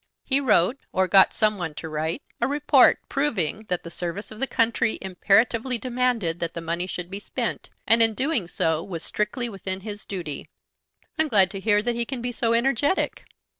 He wrote, or got some one to write, a report proving that the service of the country imperatively demanded that the money should be spent, and in doing so was strictly within his duty." "I am glad to hear that he can be so energetic."